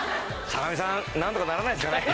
坂上さんなんとかならないですかね？